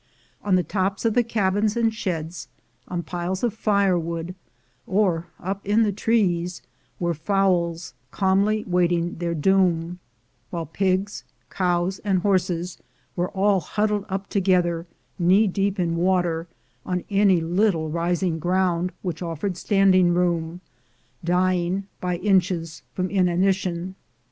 On the tops of the cabins and sheds, on piles of firewood, or up in the trees, were fowls calmly wait ing their doom; while pigs, cows, and horses were all huddled up together, knee deep in water, on any little rising ground which offered standing room, dying by inches from inanition.